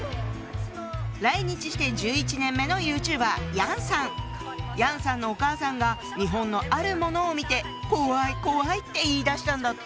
来日して１１年目の楊さんのお母さんが日本のあるものを見て怖い怖いって言いだしたんだって！